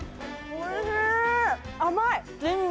おいしい。